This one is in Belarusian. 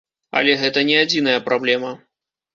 Але гэта не адзіная праблема.